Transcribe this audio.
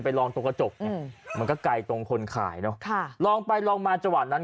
ลองตรงกระจกไงมันก็ไกลตรงคนขายเนอะค่ะลองไปลองมาจังหวะนั้น